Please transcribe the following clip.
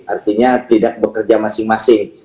artinya tidak bekerja masing masing